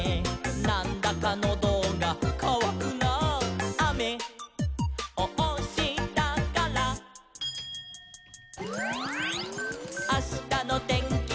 「『なんだかノドがかわくなあ』」「あめをおしたから」「あしたのてんきは」